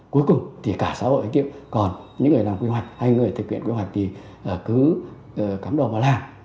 cuối cùng thì cả xã hội còn những người làm quy hoạch hay người thực hiện quy hoạch thì cứ cắm đồ vào làm